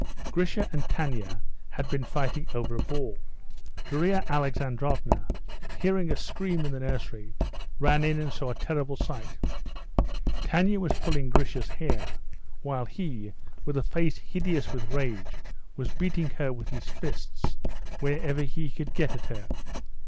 Grisha and Tanya had been fighting over a ball. Darya Alexandrovna, hearing a scream in the nursery, ran in and saw a terrible sight. Tanya was pulling Grisha's hair, while he, with a face hideous with rage, was beating her with his fists wherever he could get at her.